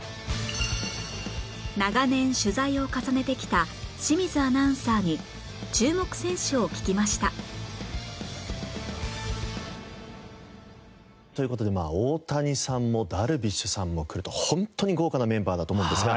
長年取材を重ねてきた清水アナウンサーに注目選手を聞きましたという事でまあ大谷さんもダルビッシュさんも来ると本当に豪華なメンバーだと思うんですが。